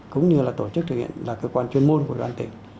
cũng như là tổ chức thực hiện là cơ quan chuyên môn của đoàn tỉnh